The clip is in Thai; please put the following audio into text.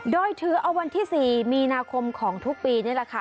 โดยถือเอาวันที่๔มีนาคมของทุกปีนี่แหละค่ะ